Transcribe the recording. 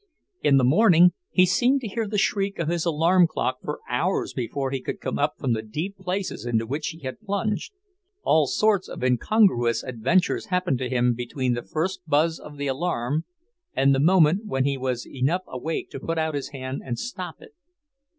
In the morning, he seemed to hear the shriek of his alarm clock for hours before he could come up from the deep places into which he had plunged. All sorts of incongruous adventures happened to him between the first buzz of the alarm and the moment when he was enough awake to put out his hand and stop it.